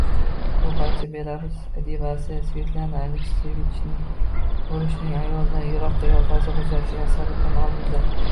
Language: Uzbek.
Bu parcha belarus adibasi Svetlana Aleksievichning Urushning ayoldan yiroq qiyofasi hujjatli asaridan olindi